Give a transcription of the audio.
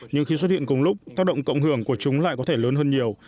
nhưng khi xuất hiện cùng lúc tác động cộng hưởng của chúng lại có thể lớn hơn nhiều